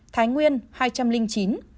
thái nguyên hai trăm linh chín